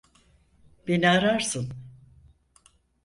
Beni ararsın.